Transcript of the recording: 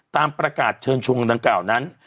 ตามประกาศเชิญชวนการร่วมลงทุนตั้งเก่านั้น